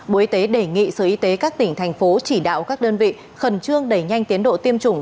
bộ y tế đề nghị sở y tế các tỉnh thành phố chỉ đạo các đơn vị khẩn trương đẩy nhanh tiến độ tiêm chủng